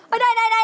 ê đây đây đây